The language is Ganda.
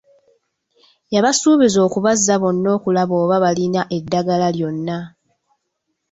Yabasuubiza okubaaza bonna okulaba oba balina eddagala lyonna.